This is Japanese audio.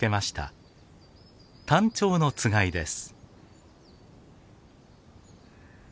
タンチョウのつがいです。